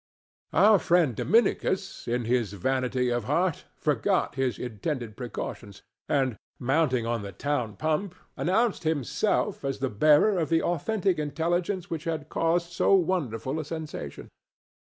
Our friend Dominicus in his vanity of heart forgot his intended precautions, and, mounting on the town pump, announced himself as the bearer of the authentic intelligence which had caused so wonderful a sensation.